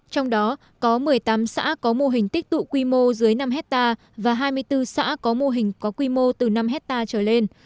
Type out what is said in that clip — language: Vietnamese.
trong đó có một mươi tám xã có mô hình tích tụ quy mô dưới năm hectare và hai mươi bốn xã có mô hình có quy mô từ năm hectare trở lên